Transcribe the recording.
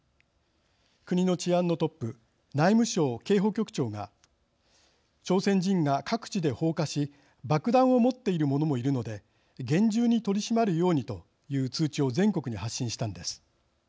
国の治安のトップ内務省警保局長が「朝鮮人が各地で放火し爆弾を持っている者もいるので厳重に取り締まるように」という通知を全国に発信したのです。